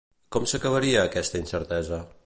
Com s'acabaria aquesta incertesa?